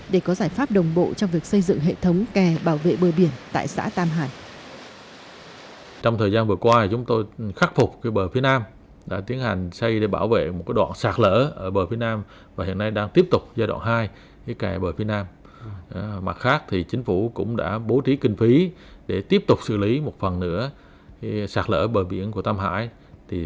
để có giải pháp đồng bộ trong việc xây dựng hệ thống kè bảo vệ bờ biển tại xã tam hải